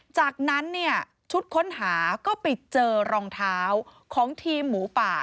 จากนั้นเนี่ยชุดค้นหาก็ไปเจอรองเท้าของทีมหมูป่า